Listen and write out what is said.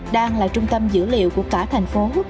đang là trung tâm dữ liệu của cả thành phố